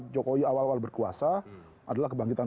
jokowi awal awal berkuasa adalah kebangkitan